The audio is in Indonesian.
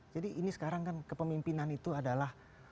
jadi ini sekarang kan kepemimpinan itu adalah